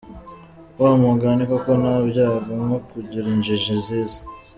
Wa mugani koko nta byago nko kugira injji zize.